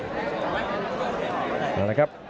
ออกเลยครับ